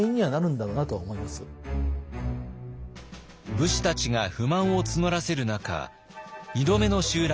武士たちが不満を募らせる中２度目の襲来